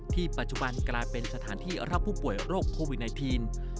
ปัจจุบันกลายเป็นสถานที่รับผู้ป่วยโรคโควิด๑๙